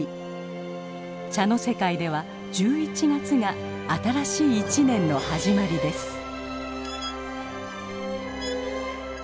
茶の世界では１１月が新しい一年の始まりです。